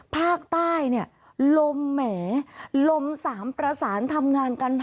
ภาคใต้เนี่ยลมแหมลม๓ประสานทำงานกัน